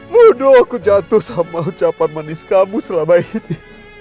modu aku jatuh sama ucapan manis kamu selama ini